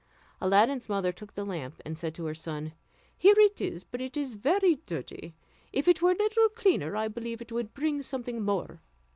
Aladdin's mother took the lamp and said to her son, "Here it is, but it is very dirty; if it were a little cleaner I believe it would bring something more."